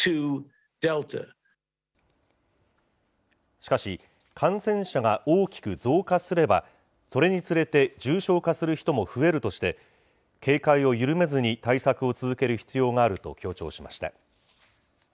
しかし、感染者が大きく増加すれば、それにつれて重症化する人も増えるとして、警戒を緩めずに対策を続ける必要があると強調しました。